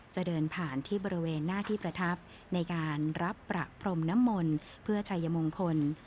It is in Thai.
จะเดินผ่านที่บริเวณหน้าที่ประทับในการรับประพรมน้ำมนต์เพื่อชัยมงคล